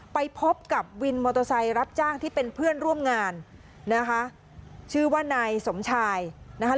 ไปพบกับวินมอเตอร์ไซค์รับจ้างที่เป็นเพื่อนร่วมงานนะคะชื่อว่านายสมชายนะคะ